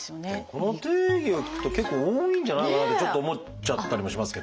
この定義でいくと結構多いんじゃないかなってちょっと思っちゃったりもしますけどね。